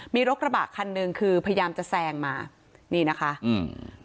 มีรถกระบะคันหนึ่งคือพยายามจะแซงมานี่นะคะอืม